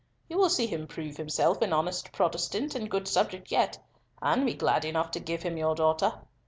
You will see him prove himself an honest Protestant and good subject yet, and be glad enough to give him your daughter.